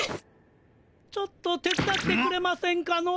・ちょっと手伝ってくれませんかの。